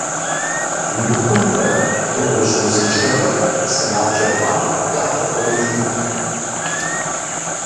Гупым хэт дыгъужь узыншэхэр сымаджэ хъуам дэӏэпыкъуну хуиткъым.